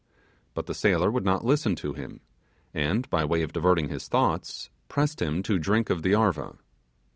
But the sailor would not listen to him, and, by way of diverting his thoughts, pressed him to drink of the arva.